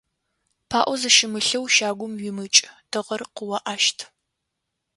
ПаӀо зыщымылъэу щагум уимыкӀ, тыгъэр къыоӀащт.